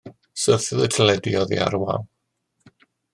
Syrthiodd y teledu oddi ar y wal.